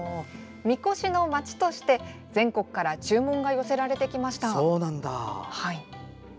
神輿の町として、全国から注文が寄せられてきました。